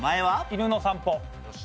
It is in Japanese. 犬の散歩。